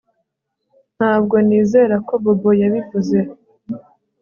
Ntabwo nizera ko Bobo yabivuze